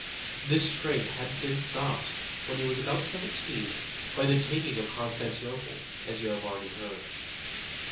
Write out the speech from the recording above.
This trade had been stopped, when he was about seventeen, by the taking of Constantinople, as you have already heard.